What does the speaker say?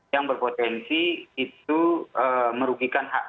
yang berpotensi itu merugikan kekuatan militer kita